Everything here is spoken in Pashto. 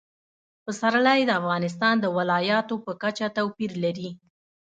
پسرلی د افغانستان د ولایاتو په کچه توپیر لري.